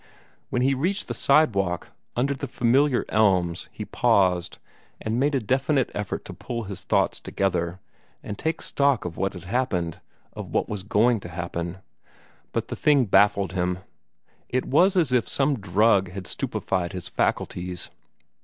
When he reached the sidewalk, under the familiar elms, he paused, and made a definite effort to pull his thoughts together, and take stock of what had happened, of what was going to happen; but the thing baffled him. It was as if some drug had stupefied his faculties.